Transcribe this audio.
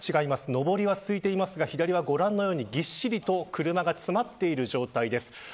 上りは、空いていますが左はご覧のようにびっしりと車が詰まっている状態です。